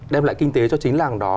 đem lại kinh tế cho chính làng đó